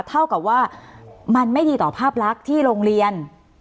เท่ากับว่ามันไม่ดีต่อภาพลักษณ์ที่โรงเรียน